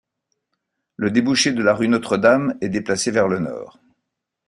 Le débouché de la rue Notre-Dame est déplacé vers le nord.